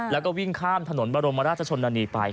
แล้วก็วิ่งข้ามถนนบรมราชชนนานีไป